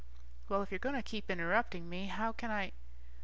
Well, if you're going to keep interrupting me, how can I